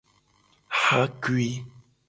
Xakui.